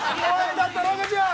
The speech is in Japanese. だったら若ちゃん